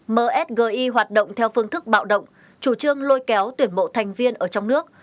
msgi hoạt động theo phương thức bạo động chủ trương lôi kéo tuyển bộ thành viên ở trong nước